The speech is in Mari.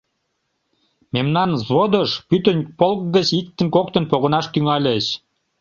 Мемнан взводыш пӱтынь полк гыч иктын-коктын погынаш тӱҥальыч.